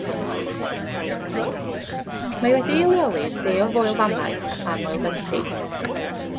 Mae wedi'i leoli i'r de o Foel Famau a Moel Fenlli.